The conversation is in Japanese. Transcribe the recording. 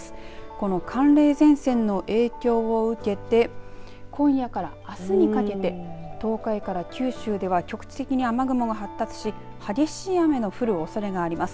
この寒冷前線の影響を受けて今夜からあすにかけて東海から九州では局地的に雨雲が発達し激しい雨の降るおそれがあります。